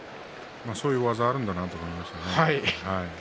そういう技あるんだなと思いました。